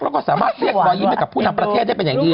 แล้วก็สามารถเสียกตัวยิ้มกับผู้นำประเทศเป็นอย่างนี้